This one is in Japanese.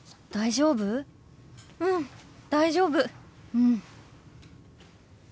うん。